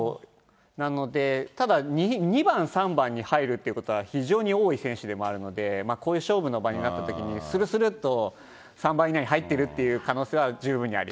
なので、ただ２番、３番に入るということが非常に多い選手でもあるので、こういう勝負の場になったときに、するするっと３番以内に入ってるっていう可能性は十分にあります。